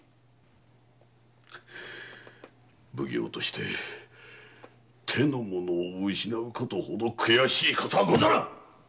奉行として手の者を失うことほど悔しいことはござらん‼